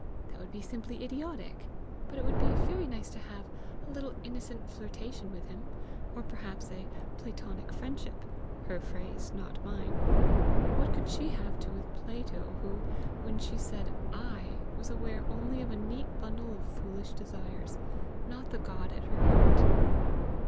That would be simply idiotic! But it would be very nice to have a little innocent flirtation with him, or perhaps a "Platonic friendship! " her phrase, not mine. What could she have to do with Plato, who, when she said I, was aware only of a neat bundle of foolish desires, not the God at her heart!